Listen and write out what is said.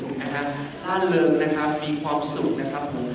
มีความสุขนะครับมีความสุขนะครับผม